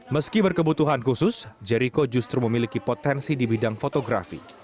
meski berkebutuhan khusus jeriko justru memiliki potensi di bidang fotografi